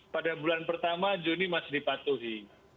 pada bulan pertama juni masih dipatuhi